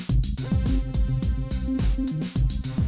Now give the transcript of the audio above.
คุณทัศนัยโคตรทองค่ะ